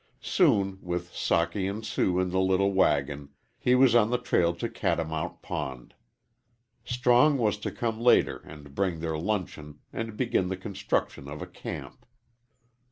Soon, with Socky and Sue in the little wagon, he was on the trail to Catamount Pond. Strong was to come later and bring their luncheon and begin the construction of a camp.